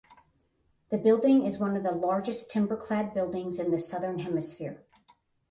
The building is one of the largest timber clad buildings in the southern hemisphere.